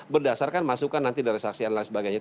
berdasarkan masukan nanti dari saksi analis dan sebagainya